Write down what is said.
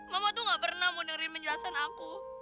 mama tuh gak pernah mau dengerin penjelasan aku